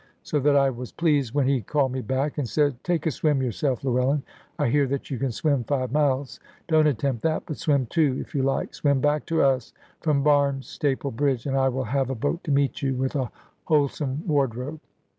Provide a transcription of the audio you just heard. So that I was pleased when he called me back, and said, "Take a swim yourself, Llewellyn. I hear that you can swim five miles. Don't attempt that, but swim two, if you like. Swim back to us from Barnstaple bridge, and I will have a boat to meet you, with a wholesome wardrobe."